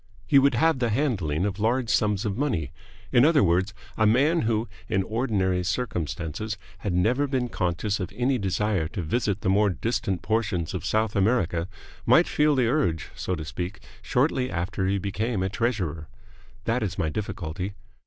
He would have the handling of large sums of money. In other words, a man who in ordinary circumstances had never been conscious of any desire to visit the more distant portions of South America might feel the urge, so to speak, shortly after he became a treasurer. That is my difficulty.